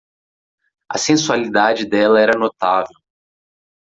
A sensualidade dela era notável.